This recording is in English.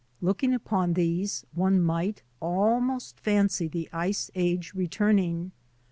Looking upon these one might almost fancy the Ice Age returning.